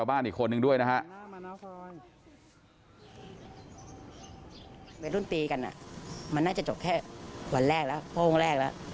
วัยรุ่นตีกันอ่ะมันน่าจะจบแค่วันแรกแล้วโค้งแรกแล้ว